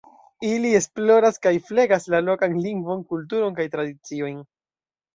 Ili esploras kaj flegas la lokan lingvon, kulturon kaj tradiciojn.